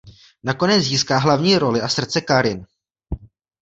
Nakonec získá hlavní roli a srdce Karin.